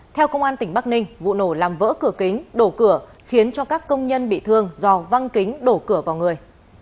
theo công an tỉnh bắc ninh vụ nổ làm vỡ cửa kính đổ cửa khiến cho các công nhân bị thương do văng kính đổ cửa vào người